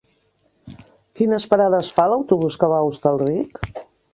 Quines parades fa l'autobús que va a Hostalric?